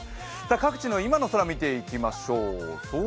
各地の今の空見ていきましょう。